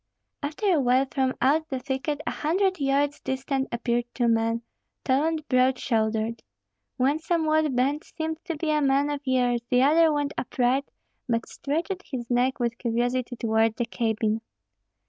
After a while from out the thicket a hundred yards distant appeared two men, tall and broad shouldered. One somewhat bent seemed to be a man of years; the other went upright, but stretched his neck with curiosity toward the cabin.